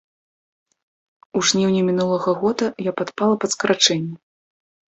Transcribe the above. У жніўні мінулага года я падпала пад скарачэнне.